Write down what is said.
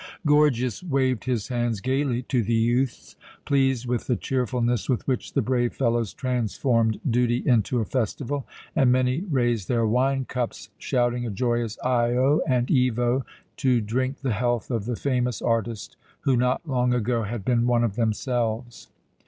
Gorgias waved his hands gaily to the youths, pleased with the cheerfulness with which the brave fellows transformed duty into a festival, and many raised their wine cups, shouting a joyous "Io" and "Evoe," to drink the health of the famous artist who not long ago had been one of themselves.